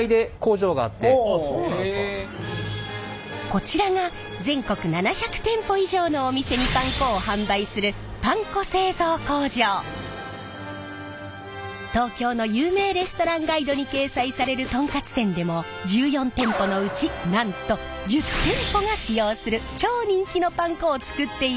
こちらが全国７００店舗以上のお店にパン粉を販売する東京の有名レストランガイドに掲載されるトンカツ店でも１４店舗のうちなんと１０店舗が使用する超人気のパン粉を作っているんです！